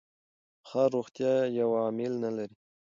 ښه روغتیا یو عامل نه لري.